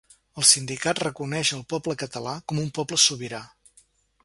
El sindicat reconeix el poble català com un poble sobirà.